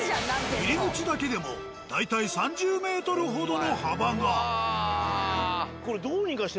入り口だけでも大体３０ｍほどの幅が。うわ。